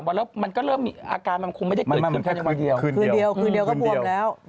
๓วันแล้วมันก็เริ่มมีอาการมันคงไม่ได้ขึ้นขึ้นคืนเดียว